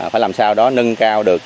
phải làm sao đó nâng cao được